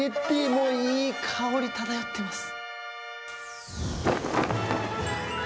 もういい香り、漂ってます。